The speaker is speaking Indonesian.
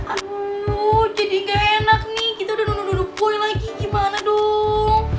aduh jadi gak enak nih kita udah nunung nunung boy lagi gimana dong